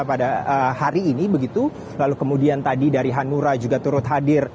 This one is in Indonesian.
pada hari ini begitu lalu kemudian tadi dari hanura juga turut hadir